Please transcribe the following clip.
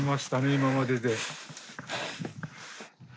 今までで。